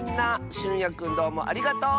しゅんやくんどうもありがとう！